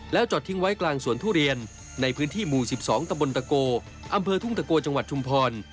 จอดทิ้งไว้กลางสวนทุเรียนในพื้นที่หมู่๑๒ตะบนตะโกอำเภอทุ่งตะโกจังหวัดชุมพร